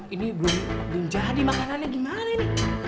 ini belum jadi makanannya gimana ini